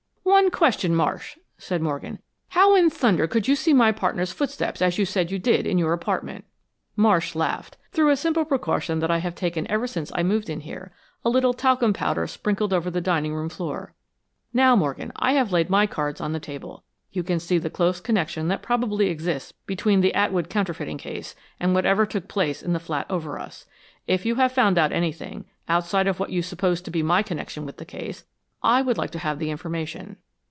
"One question, Marsh," said Morgan. "How in thunder could you see my partner's footsteps, as you said you did, in your apartment?" Marsh laughed. "Through a very simple precaution that I have taken ever since I moved in here a little talcum powder sprinkled over the dining room floor. Now, Morgan, I have laid my cards on the table. You can see the close connection that probably exists between the Atwood counterfeiting case and whatever took place in the flat over us. If you have found out anything, outside of what you supposed to be my connection with the case, I would like to have the information.